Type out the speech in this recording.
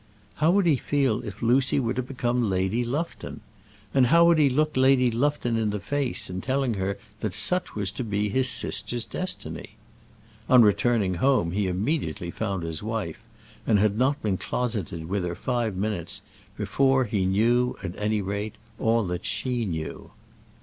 How would he feel if Lucy were to become Lady Lufton? and how would he look Lady Lufton in the face in telling her that such was to be his sister's destiny? On returning home he immediately found his wife, and had not been closeted with her five minutes before he knew, at any rate, all that she knew.